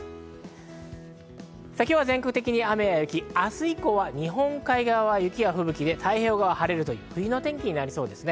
今日は全国的に雨や雪、明日以降は日本海側は雪や吹雪で太平洋側は晴れるという冬の天気になりそうです。